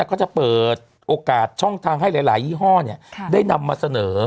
ก็จะเปิดโอกาสช่องทางให้หลายยี่ห้อได้นำมาเสนอ